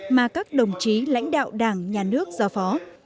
mà các đồng chí lãnh đạo đảng nhà nước giao phó